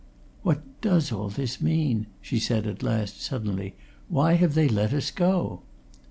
"What does all this mean!" she said at last, suddenly. "Why have they let us go?"